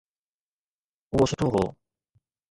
اهو سٺو هو.